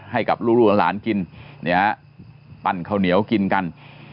ให้กับลูกหลานกินปั้นข้าวเหนียวกินกัน